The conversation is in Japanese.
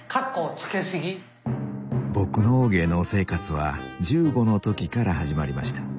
僕の芸能生活は１５の時から始まりました。